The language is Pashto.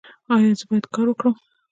ایا زه باید کار وکړم؟